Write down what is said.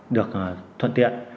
được thuận tiện